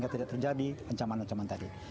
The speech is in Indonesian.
tidak terjadi ancaman ancaman tadi